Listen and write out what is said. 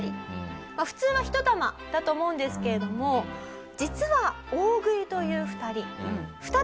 普通は１玉だと思うんですけれども実は大食いという２人。